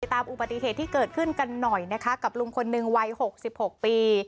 ตามอุบัติเหตุที่เกิดขึ้นกันหน่อยนะคะกับลุงคนหนึ่งวัย๖๖ปี